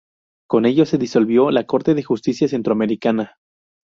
Con ello se disolvió la Corte de Justicia Centroamericana.